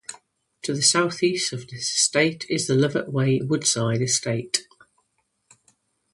To the south east of this estate is the Lovett Way Woodside estate.